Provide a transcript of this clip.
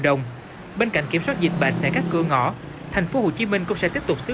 đồng bên cạnh kiểm soát dịch bệnh tại các cửa ngõ thành phố hồ chí minh cũng sẽ tiếp tục xứ